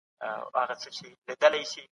عجب راګوري